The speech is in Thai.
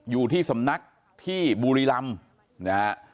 อยู่ที่สำนักที่บุรีรำนะฮะ